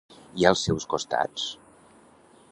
I als seus costats?